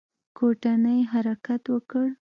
کوټنۍ حرکت وکړ.